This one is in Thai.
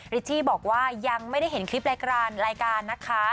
ริตที่บอกว่ายังไม่ได้เห็นคลิปรายการนะคะ